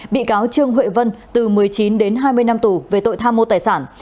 bị cáo trương huệ vân từ một mươi chín đến hai mươi năm tù về tội tham mô tài sản